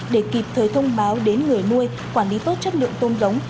để kịp thời thông báo đến người nuôi quản lý tốt chất lượng tôm giống